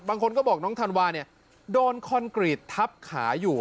บางคนก็บอกน้องธันวาเนี่ยโดนคอนกรีตทับขาอยู่